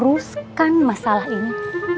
uruskan masalah ini